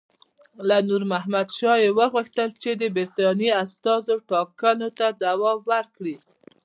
له نور محمد شاه یې وغوښتل چې د برټانیې استازو ټاکلو ته ځواب ورکړي.